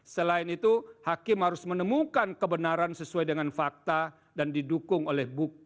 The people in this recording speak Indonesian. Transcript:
selain itu hakim harus menemukan kebenaran sesuai dengan fakta dan didukung oleh bukti